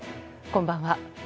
こんばんは。